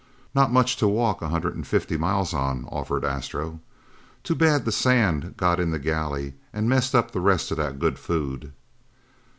"Not much to walk a hundred and fifty miles on," offered Astro. "Too bad the sand got in the galley and messed up the rest of that good food."